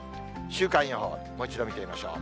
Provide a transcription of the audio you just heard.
週間予報、もう一度見てみましょう。